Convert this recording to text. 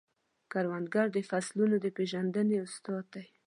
کروندګر د فصلونو د پیژندنې استاد دی